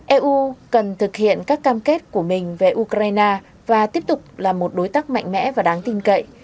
eu cần thực hiện các cam kết của mình về ukraine và tiếp tục là một đối tác mạnh mẽ và đáng tin cậy